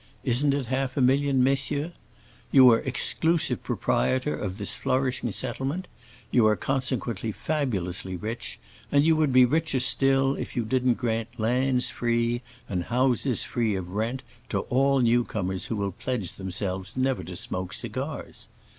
Isn't it half a million, messieurs? You are exclusive proprietor of this flourishing settlement, and are consequently fabulously rich, and you would be richer still if you didn't grant lands and houses free of rent to all new comers who will pledge themselves never to smoke cigars.